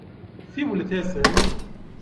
Siwlet-asen.